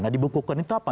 nah dibekukan itu apa